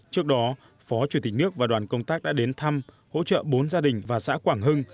trước đó phó chủ tịch nước và đoàn công tác đã đến thăm hỗ trợ bốn gia đình và xã quảng hưng